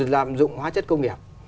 lạm dụng hóa chất công nghiệp